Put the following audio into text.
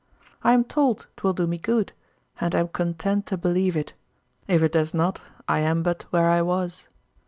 I am told 'twill do me good, and am content to believe it; if it does not, I am but where I was.